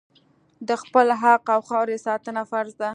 د خپل حق او خاورې ساتنه فرض ده.